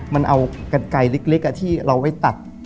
มันเอากัดไกลที่เราไว้ตัด